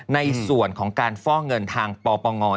ในส่วนของการฟอกเงินทางปปง